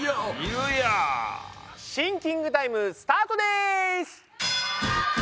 シンキングタイムスタートです！